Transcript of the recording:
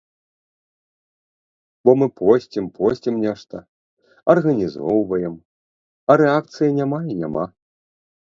Бо мы посцім-посцім нешта, арганізоўваем, а рэакцыі няма і няма.